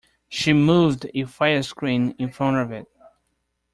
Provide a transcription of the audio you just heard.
She moved a fire-screen in front of it.